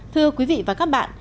thưa quý vị và các bạn